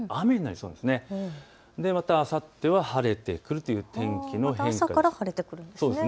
そして、またあさっては晴れてくるという天気の変化です。